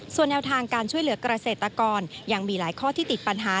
ส่วนแนวทางการช่วยเหลือกเกษตรกรยังมีหลายข้อที่ติดปัญหา